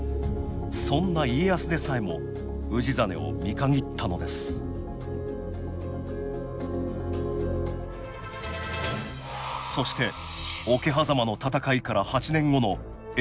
そんな家康でさえも氏真を見限ったのですそして桶狭間の戦いから８年後の永禄１１年。